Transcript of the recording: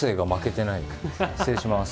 失礼します。